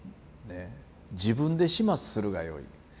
自分で始末するがよい。